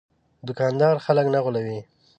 دوکاندار خلک نه غولوي.